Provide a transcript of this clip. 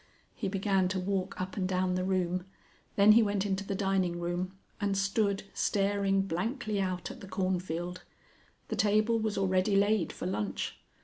He began to walk up and down the room, then he went into the dining room, and stood staring blankly out at the cornfield. The table was already laid for lunch.